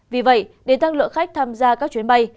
vì vậy để tăng lượng khách tham gia các chuyến bay